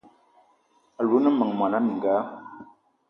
Alou o ne meng mona mininga?